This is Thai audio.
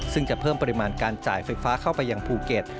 ซึ่งจะเพิ่มปริมาณการจ่ายไฟฟ้าเข้าไปยังภูเก็ต